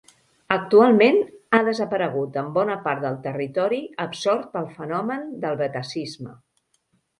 Actualment, ha desaparegut en bona part del territori absort pel fenomen del betacisme.